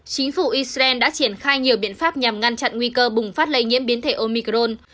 chính phủ israel đã triển khai nhiều biện pháp nhằm ngăn chặn nguy cơ bùng phát lây nhiễm biến thể omicron